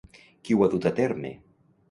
Qui ho ha dut a terme?